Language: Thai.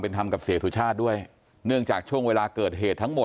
ซึ่งแต่ละคนตอนนี้ก็ยังให้การแตกต่างกันอยู่เลยว่าวันนั้นมันเกิดอะไรขึ้นบ้างนะครับ